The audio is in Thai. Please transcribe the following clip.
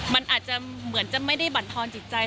มันอาจจะเหมือนจะไม่ได้บรรทอนจิตใจ